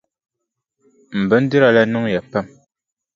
M bindira la niŋya pam.